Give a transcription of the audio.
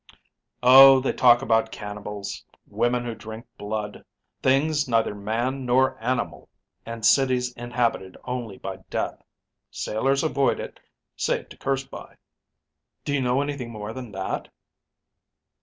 "Oh, they talk about cannibals, women who drink blood, things neither man nor animal, and cities inhabited only by death. Sailors avoid it, save to curse by." "Do you know anything more than that?"